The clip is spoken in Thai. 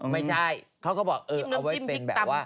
ไม่ใช่เขาก็บอกเออเอาไว้เป็นแบบว่า